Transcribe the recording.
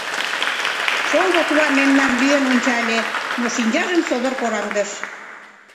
Шоҥго кува мемнам лӱен ончале, но шинчажым содор кораҥдыш.